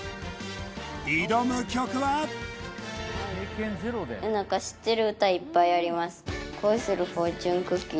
挑む曲は何か知ってる歌いっぱいあります